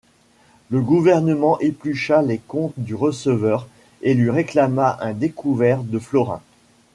Le gouvernement éplucha les comptes du receveur et lui réclama un découvert de florins.